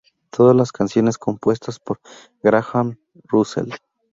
Todas las canciones compuestas por Graham Russell.